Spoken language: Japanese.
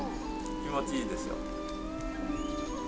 気持ちいいでしょ。